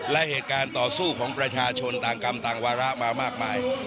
และเหตุการณ์ต่อสู้ของประชาชนต่างกรรมต่างวาระมามากมาย